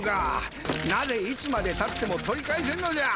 なぜいつまでたっても取り返せぬのじゃ。